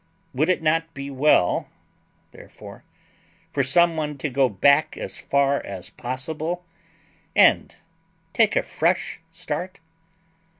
Would it not be well, therefore, for some one to go back as far as possible and take a fresh start?